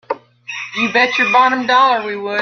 You bet your bottom dollar we would!